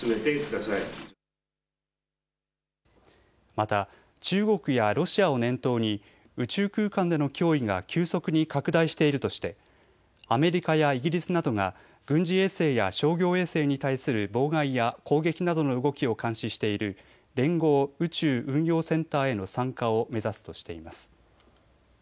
また中国やロシアを念頭に宇宙空間での脅威が急速に拡大しているとしてアメリカやイギリスなどが軍事衛星や商業衛星に対する妨害や攻撃などの動きを監視している連合宇宙運用センターへの参加を目指すとしています。